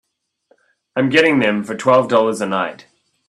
I'm getting them for twelve dollars a night.